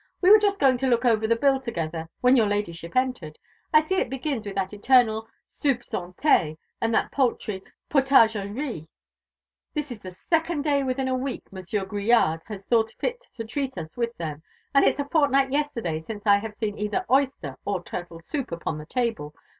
We were just going to look over the bill together when your Ladyship entered. I see it begins with that eternal soupe santé, and that paltry potage an riz. This is the second day within a week Monsieur Grillade has thought fit to treat us with them; and it's a fortnight yesterday since I have seen either oyster or turtle soup upon the table.